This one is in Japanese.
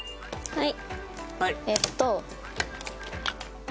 はい。